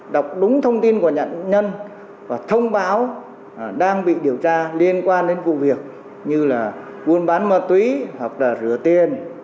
đọc đúng thông tin của nạn nhân và thông báo đang bị điều tra liên quan đến vụ việc như là buôn bán ma túy hoặc là rửa tiền